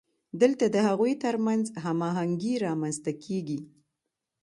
دلته د هغوی ترمنځ هماهنګي رامنځته کیږي.